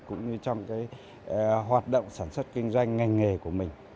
cũng như trong hoạt động sản xuất kinh doanh ngành nghề của mình